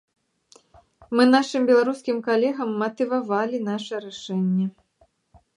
Мы нашым беларускім калегам матывавалі наша рашэнне.